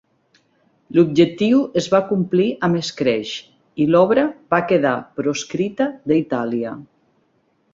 L'objectiu es va complir amb escreix i l'obra va quedar proscrita d'Itàlia.